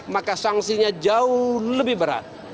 maka sanksinya jauh lebih berat